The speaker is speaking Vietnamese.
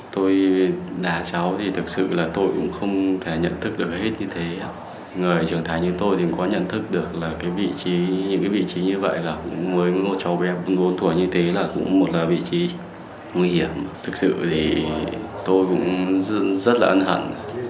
tôi cũng rất là ân hẳn